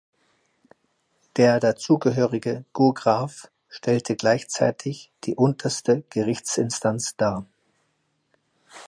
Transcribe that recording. Der dazugehörige Gograf stellte gleichzeitig die unterste Gerichtsinstanz dar.